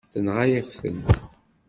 Tenɣa-yak-tent.